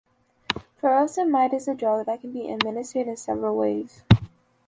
Furosemide is a drug that can be administered in several ways.